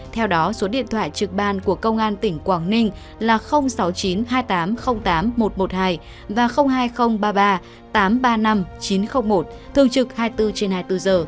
theo đó số điện thoại trực ban của công an tỉnh quảng ninh là sáu mươi chín hai nghìn tám trăm linh tám một trăm một mươi hai và hai nghìn ba mươi ba tám trăm ba mươi năm chín trăm linh một thường trực hai mươi bốn trên hai mươi bốn giờ